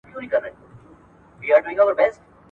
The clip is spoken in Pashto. ¬ خوگاڼى چي پاچا سو، اول ئې د خپلي مور سر ور وخرايه.